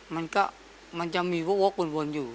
มันก็มันจะมีวกวนอยู่